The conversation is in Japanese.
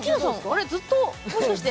あれっずっともしかして？